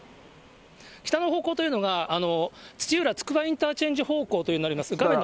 北の方向というのが、土浦つくばインターチェンジ方向となります。